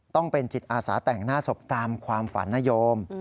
ต้องเป็นจิตอาสาแต่งหน้าศพตามความฝันนโยม